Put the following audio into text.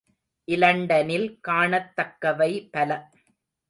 இலண்டனில் காணத் தக்கவை பல.